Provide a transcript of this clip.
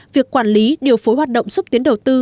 việc quản lý điều phối hoạt động xúc tiến đầu tư